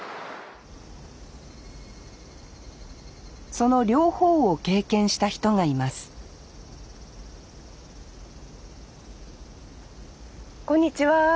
その両方を経験した人がいますこんにちは。